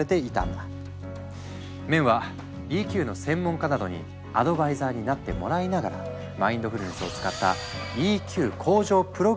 メンは「ＥＱ」の専門家などにアドバイザーになってもらいながらマインドフルネスを使ったＥＱ向上プログラムを開発。